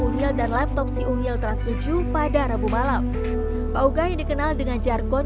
unil dan laptop si unil transujuh pada rabu malam paoga yang dikenal dengan jargon